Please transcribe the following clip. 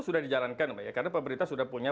sudah dijalankan karena pemerintah sudah punya